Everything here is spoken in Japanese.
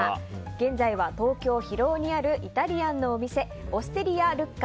現在は東京・広尾にあるイタリアンのお店オステリアルッカ